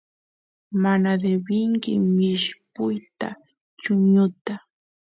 mana debenki mishpuyta chuñuta